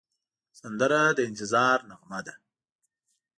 سندره د انتظار نغمه ده